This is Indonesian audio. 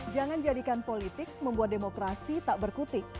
jangan jadikan politik membuat demokrasi tak berkutik